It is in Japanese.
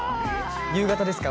夕方ですか？